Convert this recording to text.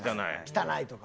汚いとか。